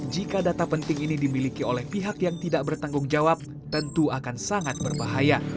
jika data penting ini dimiliki oleh pihak yang tidak bertanggung jawab tentu akan sangat berbahaya